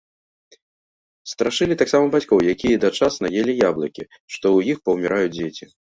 Страшылі таксама бацькоў, якія дачасна елі яблыкі, што ў іх паўміраюць дзеці.